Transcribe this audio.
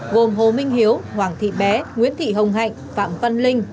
gồm hồ minh hiếu hoàng thị bé nguyễn thị hồng hạnh phạm văn linh